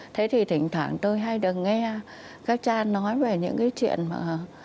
thế thì thỉnh thoảng tôi hay đừng nghe các cha nói về những cái chuyện mà